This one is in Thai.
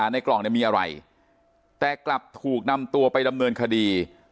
ในกล่องเนี่ยมีอะไรแต่กลับถูกนำตัวไปดำเนินคดี